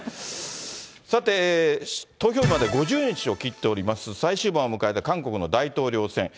さて、投票日まで５０日を切っております、最終盤を迎えた韓国の大統領選。